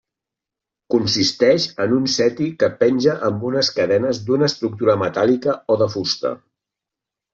Consisteix en un seti que penja amb unes cadenes d'una estructura metàl·lica o de fusta.